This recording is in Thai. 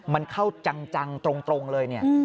มันเข้าจังตรงเลยเนี่ย